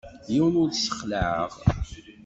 Yiwen ur t-ssexlaɛeɣ.